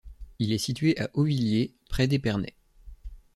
Il est situé à Hautvillers près d'Épernay.